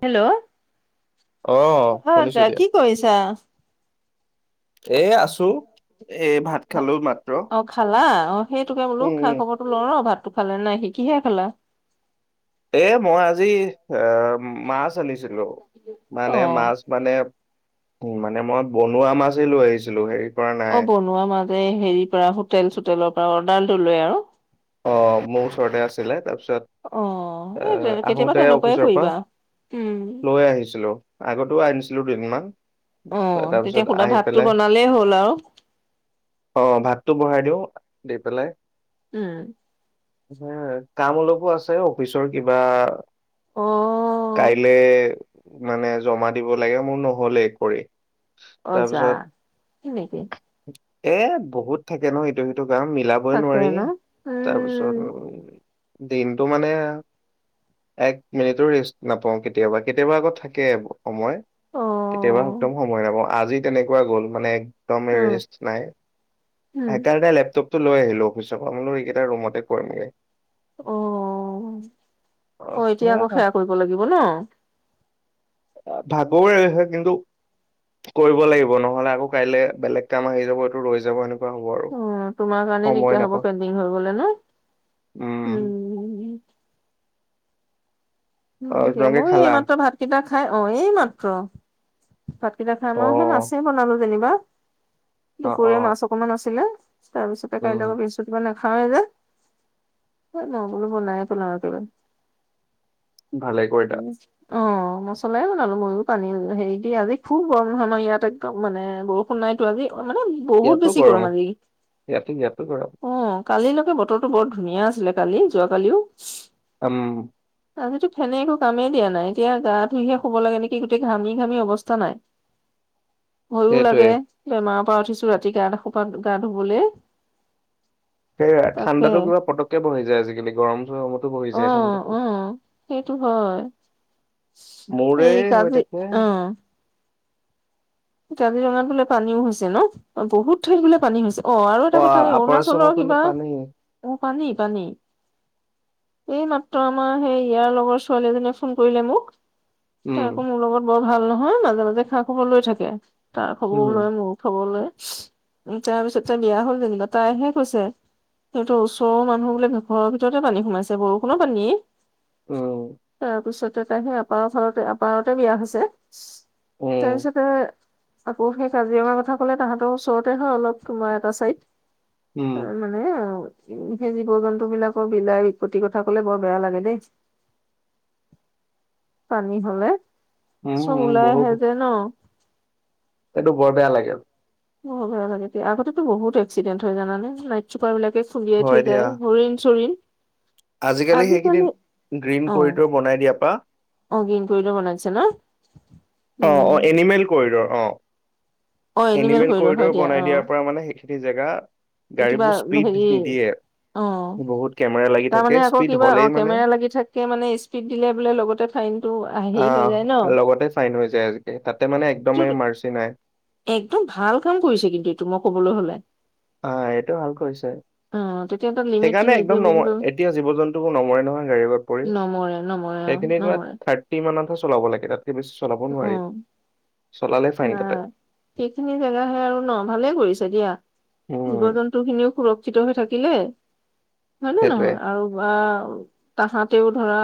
Hello অ শুনিছো আচ্ছা দিয়া কি কৰিছা? এ আছো। এ ভাত খালো মাত্ৰ। অ খালা অ সেইটোকে বোলো উম খা উম খবৰটো লও অ ভাতটো খালে নে নাই কিহেৰে খালা? এ মই আজি এ মাছ আনি ছিলো অ মানে মাছ মানে উ মানে মই বনোৱা মাছে লৈ আহিছিলো হেৰি কৰা অ নাই বনোৱা মাছ, হেৰিৰ পৰা হোটেল চোটেলৰ পৰা অৰ্ডাৰটো লৈ আৰু? অ মোৰ ওচৰতে আছিলে অ তাৰপিছত এই এ কেতিয়াবা আহোতে তেনেকুৱাই অফিচৰ কৰিবা পৰা উম লৈ আহিছিলো আগতো আনি ছিলো দুদিনমান, অ তেতিয়া তাৰপিছত সুধা আহি ভাতটো পেলাই বনালেই হ'ল আৰু অ ভাতটো বহাই দিও আহি পেলাই উম। কাম অলপো আছে অফিচৰ কিবা, অ কাইলে মানে জমা দিব লাগে মোৰ নহ'লে কৰি অ যা তাৰপিছত হয় নেকি এ বহুত থাকে ন ইটো সিটো কাম মিলাবই তাকে নোৱাৰি ন তাৰ পিছত, উম দিনটো মানে এক মিনিটৰ ৰেষ্ট নাপাও কেতিয়াবা কেতিয়াবা আকৌ থাকে আক। সময় অ কেতিয়াবা একদম সময় নাপাওঁ আজি তেনেকোৱা গ'ল মানে, একদমে উম ৰেষ্ট নাই উম সেইকাৰণে লেপটপটো লৈ আহিলো অফিচৰ মই বোলো এইকেইটা ৰুমতে কৰিমগে। অ অ এতিয়া আকৌ সেয়া কৰিব লাগিব ন? ভাগৰ লাগিছে কিন্তু, কৰিব লাগিব নহলে আকৌ কাইলে বেলেগ কাম আহি যাব এইটো ৰৈ যাব। হ'ব আৰু উম তোমাৰ কাৰণে সময় দিগদাৰ হ'ব। নাপাওঁ পেন দিং হৈ গলে ন? উম উম। অ হব দিয়া। তোমালোকে মই খালা এইমাত্ৰ ভাতকেইটা খাই অ এইমাত্ৰ ভাতকেইটা খাই অ আমাৰ সেই মাছেই বনালো যেনিবা, অ অ দুপৰীয়া মাছ অকমান আছিলে। তাৰপিছতে উম কাইলৈ বৃহস্পতিবাৰ না খাৱে যে। এ মই বোলো বনাইয়ে পেলাওঁ আৰু একেবাৰে। ভালে কৰিলা। অঁ। মছলাই বনালো ময়ো পানী হেৰি দি আজি খুব গৰম নহয় ন ইয় একদম মানে বৰষুণ নাইতো আজি। মানে বহুত ইয়াতো বেছি গৰম গম আজি। ইয়াতো ইয়াতো গৰম অঁ। কালিলৈকে বতৰটো বৰ ধুনীয়া আছিলে, কালি যোৱাকালিও। উম। আজিতো ফেনে একো কামেই দিয়া নাই। এতিয়া গা ধুইহে শুব লাগে নেকি গোটেই ঘামি ঘামি অৱস্থা নাই। [inaudible] ভয়ো সেইটোৱে লাগে বেমাৰৰ পৰা উঠিছো ৰাতি গা সোপা গা ধুবলে। সেয়াই তাকে ঠাণ্ডাটো কিবা পটককৈ বহি যায় আজিকালি গৰম চৰমত অ যে নন্ত অ সেইটো হয় মোৰে এই হৈ কাজি থাকে অ কাজিৰঙাত বোলে পানীও হৈছে ন বহুত ঠাইত বোলে পানী হৈছে অ আৰু এটা কথা আপাৰ আচামৰ অৰুণাচলৰ ফালে কিবা পানী অ পানী পানী এই মাত্ৰ আমাৰ সেই ইয়াৰ লগৰ ছোৱালী এজনীয়ে ফোন কৰিলে মোক উম তাই আকৌ মোৰ লগত বৰ ভাল নহয় মাজে মাজে খা খবৰ লৈ থাকে তাৰ খবৰও উম লৈ মোৰ খাব লৈ উ তাৰ পিছত তাৰ বিয়া হল যেনিবা তাইহে কৈছে সেইহত ওচৰৰ মানুহ বোলে ঘৰৰ ভিতৰতে পানী সোমাইছে বৰষুণো পানীয়ে উম তাৰপিছতে তাই সেই আপাৰ ঘৰতে আপাৰতে বিয়া হৈছে উম তাৰপিছতে আকৌ সেই কাজিৰঙাৰ কথা কলে তাহাঁতৰ ওচৰতে হয় অলপ তোমাৰ এটা উম চাইদ মানে সেই জীৱ জন্তুবলাকৰ বিলাই বিপত্তিৰ কথা কলে বৰ বেয়া লাগে দেই পানী হলে উম চব উম ওলাই আহে যে ন সেইটো বৰ বেয়া লাগে বহ বেয়া লাগে আগতে বহুত এক্সিডেণ্ট হয় জানে নাইট চুপাৰ বিলাক খুলিয়াই হয় থৈ যায় দিয়া হৰিণ চৰিণ আজিকালি সেইখিনি গ্ৰীণ অ কৰিডৰ বনাই দিয়াৰ পৰা অ কিন কৰিটো মনছে ন অ উম, অ এনিমেল কৰিডৰ অ অ' এনিমেল হয় কৰিডৰ দিয়া বনাই দিয়াৰ অ' পৰা মানে সেইখিনি জেগা কিবা গাড়ীবোৰ স্পীড হেৰি নিদিয়ে বহুত কেমেৰা লাগি থাকে মানে আকৌ স্পীড কিবা অ হ'লেই মানে কেমেৰা লাগি থাককে মানে স্পীড দিলে বোলে লগতে ফাইনতটো হেৰি হৈ যায় ন তে ফাইন হৈ যায় আজি তাতে মানে একদম এইটো মাৰ্চি নাই একদম ভাল কাম কৰিছে কিন্তু এইটো মই কবলৈ হলে আহ এইটো ভাল কৰিছে অ' তেতিয়া এটা লিমিট টো সেইকাৰণে নিজে একদম নম বুজি পাবি এতিয়া জীৱ জন্তুো নমৰে নহয় গাড়ীৰ এত পৰি নমৰে নমৰে অ' সেইখিনি কিবা নমৰে থাৰ্টি মানতহে চলাব লাগে তাত চলাব নোৱাৰি অ' চলালে ফাইন কাটে নাই সেইখিনি জেগাহে আৰু ন ভালে কৰিছে দিয়া জীৱ উম জন্তু খিনিও সুৰক্ষিত হৈ থাকিলে হয় নে সেইটোৱে নহয় আৰু বা তাহাতেও ধৰা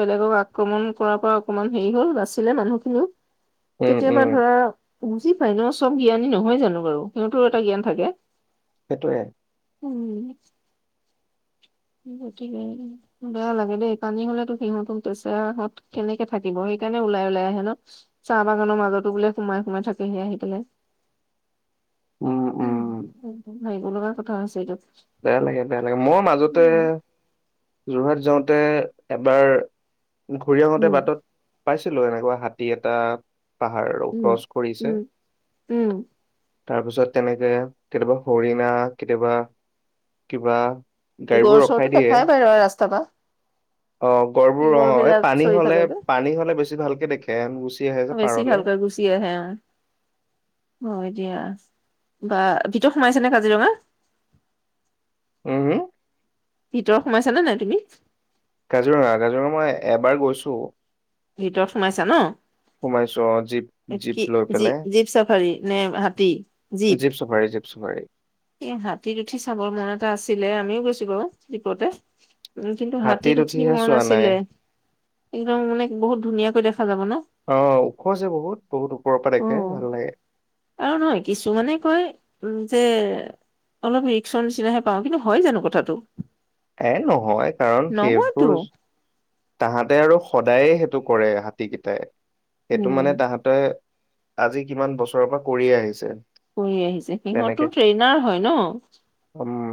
বেলেগক আক্ৰমণ কৰাৰ পৰা অকনমান হেৰি হল বাচিলে মানুহ উম উম কেতিয়াবা ধৰা বুজি পাই ন চব জ্ঞানী নহয় জানো বাৰু সিহঁতৰ এটা জ্ঞান থাকে সেইটোৱে উম গতিকে বেয়া লাগে দেই পানী হলেতো সিহঁতো বেচেৰা হত কেনেকে থাকিব সেই সেইকাৰণে ওলাই ওলাই আহে ন চাহ বাগানৰ মাজতো বোলে সোমাই সোমাই থাকে আহি পেলে অ'ক উম একদম ভাবিব লগা কথা হৈছে এইটোত বেয়া লাগে বেয়া লাগে মই মাজত যোৰহাট যাওঁতে এবাৰ ঘূৰি আহোতে উম বাটত পাইছিলো এনেকুৱা হাতী এটা পাহাৰো উম ক্ৰছ কৰিছে উম উম তাৰ পিছত তেনেকে কেতিয়াবা হৰিণা কেতিয়াবা কিবা গড় গাড়ীবোৰ ৰখাই চৰটো দিয়ে দেখাই পাই ৰাস্তা পা অ গড়বোৰ অ শিঙৰ এই বিলাক পানী চৰি হলে থাকে যে পানী হলে বেছি ভালকে দেখে আহে যে বেছি পাৰলে ভালকে গুচি আহে হয় দিয়া বা ভিতৰত সোমাইছে নে কাজিৰঙা উম ভিতৰত সোমাইছানে নাই তুমি কাজিৰঙা কাজিৰঙা মই এবাৰ গৈছো ভিতৰত সোমাইছা ন সোমাইছো অ জীপ জীপ কি লৈ জ পেলাই জীপ চাফাৰী নে হাতী জীপ জীপচাফাৰি এ হাতীত উঠি চাবৰ মন এটা আছিলে আমিও গৈছো বাও জীপতে উ কিন্তু হাতীত উঠি উঠিহে মন চোৱা নাই আছিলে কিন্তু মানে বহুত ধুনীয়াকৈ দেখা যাব ন অ ওখ আছে বহুত বহুত ওপৰৰ পৰা অ দেখে ভাল লাগে আৰু নহয় কিছু মানে কয় উ যে অলপ ৰিক্সৰ নিচিনাহে পাওঁ কিন্তু হয় জানো কথাটো এ নহয় কাৰণ নহয়তো সেইবোৰ তাহাঁতে আৰু সদায়ে সেইটো কৰে হাতী কেইটাই সেইটো উম মানে তাহাঁতে আজি কিমান বছৰৰ পৰা কৰিয়ে আহিছে কৰি আহিছে সিহঁতো তেনেকে ট্ৰেইনাৰ হয় ন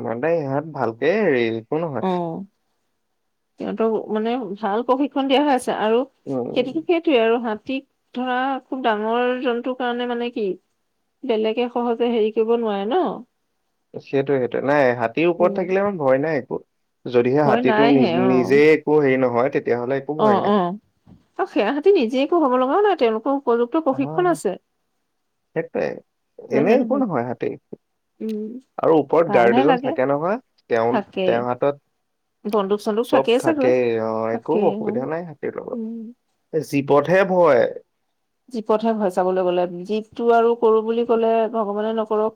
ম তে ইহঁত ভালকে ৰেল [unintelligible] অ সিহঁতক মানে ভাল প্ৰশিক্ষণ দিয়া হৈ আছে আৰু উম খেতিটো সেইটোৱে আৰু হাতী ঠিক ধৰা খুব ডাঙৰ জন্তুৰ কাৰণে মানে কি বেলেগে সহজে হেৰি কৰিব নোৱাৰে ন সেইটো সেইটো নাই হাতীৰ ওপৰত উম থাকিলে ভয় নাই একো যদিহে ভয় হাতীটো নি নাইহে অ নিজে একো হেৰি নহয় তেতিয়াহ'লে একো অ ভয় নাই অ আৰু সেৱাহতি নিজে একো হব লগাও নাই তেওঁলোক অহ সেইটোৱে হয় নে এনেই একো নহয় হাতী উম আৰু ওপৰত ভালহে গাৰ্ডজন লাগে থাকে নহয় তেওঁ থাকে তেওঁৰ হাতত বন্দুক চন্দুক চব চাগৈ থাকেই অ একো থাকে অ অসুবিধা নাই হাতীৰ লগত উম জীপতহে ভয় জীপতহে ভয় চাবলৈ গলে জীপটো আৰু কৰো বুলি কলে ভগৱানে নকৰক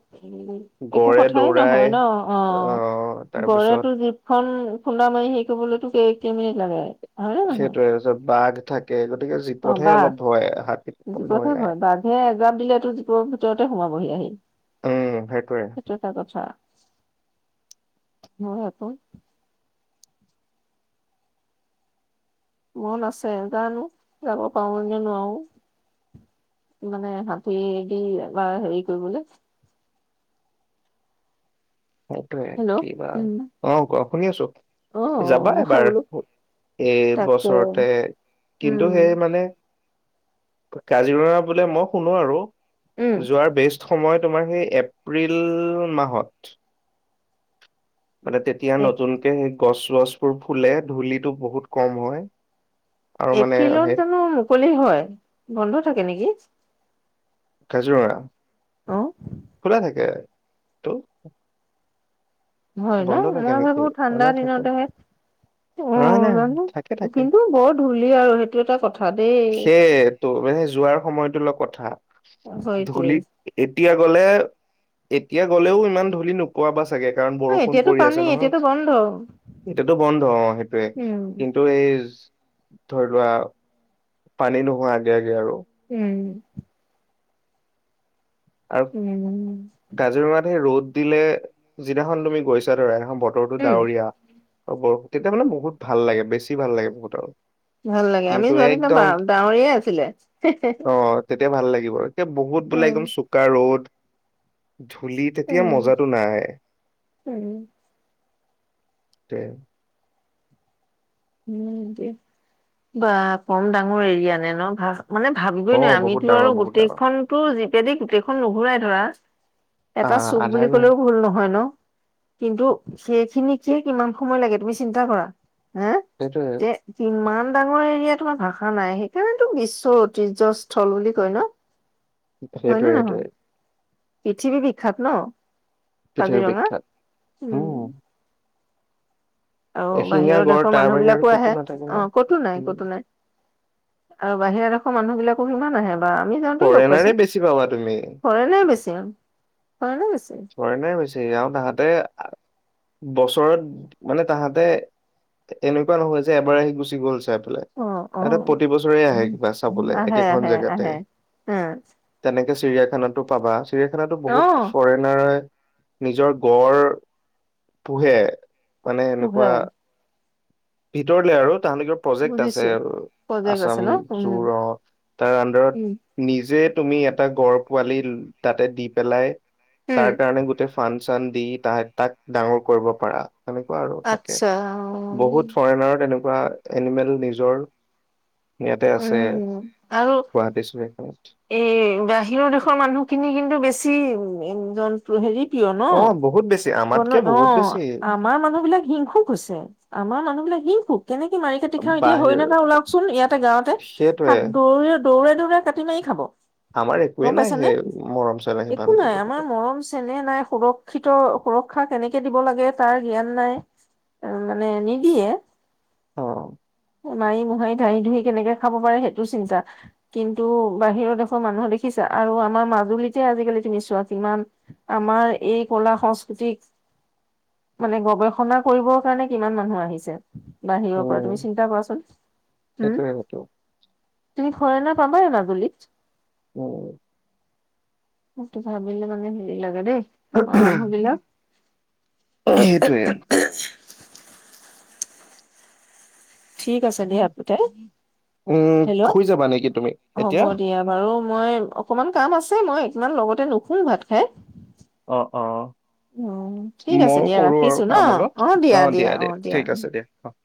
একো গড়ে কথাই দৌৰাই নহয় ন অহ আহ তাৰপিছত গড়েতো জীপখন খুন্দা মাৰি হেৰি কৰিবলৈ কে কেই মিনিট লাগে হয়নে নহয় সেইটোয়ে আৰু বাঘ থাকে গতিকে অ জীপতহে বাঘ অলপ ভয় হাতীত ইমান জীপতহে নাই ভয় বাঘে এজাপ দিলেটো জীপৰ ভিতৰতে সোমাবহি আহি উম সেইটোৱে সেইটো এটা কথা হয় আক মন আছে জানো যাব পাৰো নে নোৱাৰো কি মানে হাতীয়ে দি এবাৰ হেৰি কৰিবলে সেইটোৱে কি বা উম অ কোৱা শুনি আছো অ যাবা মই এবাৰ বোলো এই তাকে বছৰতে কিন্তু উম সেই মানে কাজিৰঙা বোলে মই শুনো আৰু উম যোৱাৰ বেষ্ট সময়ত তোমাৰ সেই এপ্ৰিল মাহত মানে তেতিয়া এ নতুনকে সেই গছ চছবোৰ ফুলে ধূলিটো বহুত কম হয় আৰু মানে এপ্ৰিলত সেই জানো মুকলি হয় বন্ধ থাকে নেকি কাজিৰঙা অ খোলা থাকে টো হয় ন বন্ধ মই থাকে নেকি ভাবো ঠাণ্ডা খোলা থাকে দিনতেহে অ না নাই জানো থাকে থাকে কিন্তু বৰ ধূলি আৰু সেইটো এটা কথা দেই সেই তো মানে যোৱাৰ সময়টো লগত কথা হয়তে ধূলি এতিয়া গ'লে এতিয়া গ'লেও ইমান ধূলি নোপোৱা বা চাগে কাৰণ কাৰণ অ', বৰষুণ এতিয়াতো পৰি পানী আছে নহয় এতিয়াতো বন্ধ এটোটো বন্ধ অ সেইটোৱে উম কিন্তু এই ধৰি লোৱা পানী নোহোৱা আগে আগে আৰু। উম আৰু উম কাজিৰঙাত সেই ৰ'দ দিলে যিদিনাখন তুমি গৈছা ধৰা বতৰটো উম ডাৱৰীয়া আৰু বৰষুণ তেতিয়া মানে বহুত ভাল লাগে বেছি ভাল লাগে বহুত আৰু। ভাল লাগে আমি কিন্তু একদম এতিয়া ভাল লাগিব এতিয়া বহুত বোলে উম একদম চোকা ৰ'দ ধূলি তেতিয়া উম মজাটো নাই উম উম উ দ বা কম ডাঙৰ এৰিয়া নে ন ভাল মানে ভাবিবই অ নোৱাৰি বহুত আমিতো আৰু ডাঙৰ বহুত ডাঙৰ গোটেইখনতো জিপেদি গোটেইখন নুঘূৰাই ধৰা এটা আহ চুক আধাৰ বুলি ঘূৰাই কলেও ভুল নহয় ন। কিন্তু সেইখিনিকে কিমান সময় লাগে তুমি চিন্তা কৰা হে সেইটোৱে তে কিমান ডাঙৰ এৰিয়া তোমাৰ ভাষা নাই সেইকাৰণেতো বিশ্বৰ ঐতিহ্যস্থল বুলি কয় ন। সেইটোৱে সেইটোৱে পৃথিৱীৰ বিখ্যাত ন পৃথিৱী কাজিৰঙা বিখ্যাত উম আৰু এশিঙীয়া বাহিৰৰ গড় দেশৰ তাৰ মানুহ বাহিৰে বিলাকো ক'তো আহে নাথাকে ন অ কতো নাই উম কতো নাই আৰু বাহিৰা দেশৰৰ মানুহ বিলাকো কিমান আহে। আমি যাওঁতে লগ ফৰেনাৰে পাইছো বেছি পাবা তুমি ফৰেনে বেছি আৰু ফৰেণ বেছি ফৰেনা বেছি আৰু তাহাঁতে বছৰত মানে তাহাঁতে এনেকুৱা নহয় যে এবাৰ আহি গুচি গ'ল চাই এ অ অ প্ৰতি বছৰে আহে কিবা চাবলৈ একেখন জেগাতে উম তেনেকে চিৰিয়াখানাতো পাবা চিৰিয়াখানাতো বহুত আহ ফৰেন নিজৰ গড় পোহে মানে এনেকুৱা পোহে ভিতৰলে আৰু তাহগৰ প্ৰজেক্ট আছে বুজিছো প্ৰজেক্ট আছাম আছে ন উম জুৰ অ তাৰ আণ্ডৰত উম নিজে তুমি এটা গড় পোৱালি তাতে দি পেলাই উম তাৰ কাৰণে গোটেই ফান চান দি ত তাক ডাঙৰ কৰিব পাৰা তেনেকুৱা আৰু তাকে আচ্ছা বহুত ফৰেনাৰো তেনেকুৱা এনিমেল নিজৰ ইয়াতে আছে উম আৰু গুৱাহাটি চাইতে এই বাহিৰৰ দেশৰ মানুহখিনি কিন্তু বেছি জন্তু হেৰি প্ৰিয় ন অ বহুত বেছি বন আমাতকে অ বহুত বেছি আমাৰ মানুহ বিলাক হিংসুক হৈছে আমাৰ মানুহ বিলাক হিংসুক কেনেকে মাৰি খেতি খাওঁ এতিয়া বাহিৰ হৰিণা এটা ওলাকচোন ইয়াতে গাঁৱতে ক সেইটোৱে দৌ দৌৰে দৌৰে কাটি মাৰি খাব। আমাৰ একোৱে গম নাই পাইছানে সেই মৰম চেনেহ একো সিমান জীৱ নাই আমাৰ জন্তু মৰম চেনেহ নাই সুৰক্ষিত সুৰক্ষা কেনেকে দিব লাগে তাৰ জ্ঞান নাই মানে নিদিয়ে। অ মাৰি-মোহাৰি, ধাহি-ধুহি কেনেকে খাব পাৰে সেইটো চিন্তা! কিন্তু বাহিৰৰ দেশৰ মানুহ দেখিছে আৰু আমাৰ মাজুলীতে আজিকালি তুমি চোৱা, কিমান আমাৰ এই কলা সং জিক মানে গৱেষণা কৰিবৰ কাৰণে কিমান মানুহ আহিছে। বাহিৰৰ পৰা তুমি উম চিন্তা কৰাচোন! হম সেইটোৱে সেইটোৱে। তুমি ফৰেনাৰ পাবাই মাজুলীত। অ'। সেইটো ভাবিলে মানে হেৰি লাগে দেই। আমাৰ মানুহবিলাক সেইটোৱে। ঠিক আছে, দিয়া [unintelligible] উম হেল্ল'। শুই যাবা নেকি তুমি হ'ব এতিয়া দিয়া বাৰু। মই অকমান কাম আছে মই ইমান লগতে নুশু ভাত খাই! অ' অ'। অ ময়ো কৰো আৰু কাম অলপ। অ' দিয়া দিয়া। ঠিক আছে দিয়া। অ'।